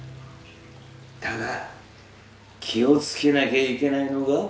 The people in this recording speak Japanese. だが気をつけなきゃいけないのが。